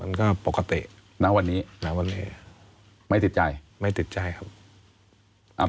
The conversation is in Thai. มันก็ปกติณวันนี้นะวันแรกไม่ติดใจไม่ติดใจครับ